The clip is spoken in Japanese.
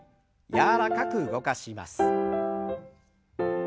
柔らかく動かします。